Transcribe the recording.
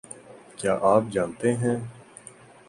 کیا آپ جانتے ہیں